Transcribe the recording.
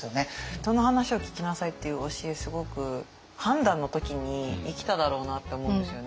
「人の話を聞きなさい」っていう教えすごく判断の時に生きただろうなって思うんですよね。